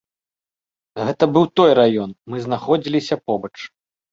Гэта быў той раён, мы знаходзіліся побач.